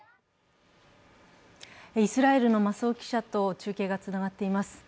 イスラエルの増尾記者と中継がつながっています。